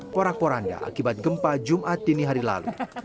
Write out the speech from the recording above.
porakporanda akibat gempa jumat dini hari lalu